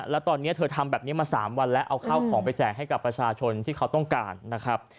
แล้วตอนนี้เธอทำแบบนี้มา๓วันแล้วเอาข้าวของไปแจกให้กับประชาชนที่เขาต้องการนะครับ